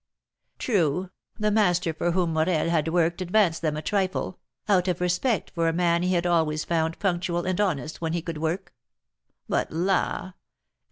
True, the master for whom Morel had worked advanced them a trifle, out of respect for a man he had always found punctual and honest when he could work. But, la!